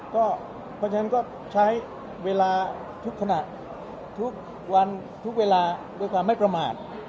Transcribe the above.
เพราะฉะนั้นก็ใช้เวลาทุกขณะทุกวันทุกเวลาด้วยความไม่ประมาท